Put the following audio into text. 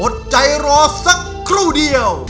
อดใจรอสักครู่เดียว